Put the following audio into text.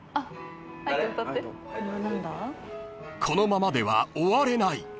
［このままでは終われない］